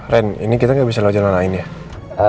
ren ini kita nggak bisa lewat jalan lain ya